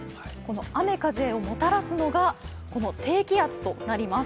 雨風をもたらすのがこの低気圧となります。